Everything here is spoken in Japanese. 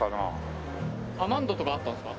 アマンドとかあったんですか？